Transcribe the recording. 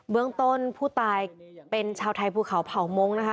เมืองต้นผู้ตายเป็นชาวไทยภูเขาเผ่ามงคนะคะ